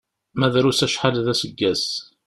Ma drus acḥal d aseggas.